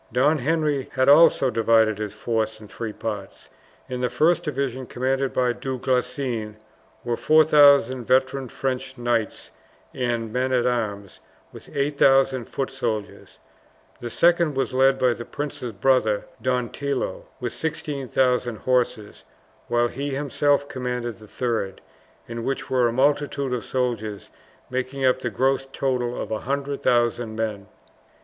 Don Henry had also divided his force in three parts. In the first division, commanded by Du Guesclin, were 4000 veteran French knights and men at arms with 8000 foot soldiers; the second was led by the prince's brother, Don Tillo, with 16,000 horse; while he himself commanded the third, in which were a multitude of soldiers, making up the gross total of 100,000 men.